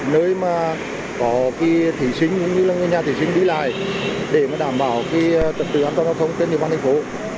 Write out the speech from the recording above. nơi mà có cái thí sinh cũng như là nhà thí sinh đi lại để mà đảm bảo cái trật tự an toàn giao thông trên địa phương thành phố